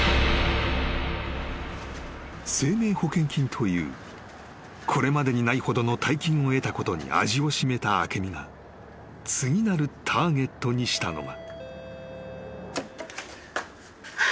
［生命保険金というこれまでにないほどの大金を得たことに味を占めた明美が次なるターゲットにしたのが］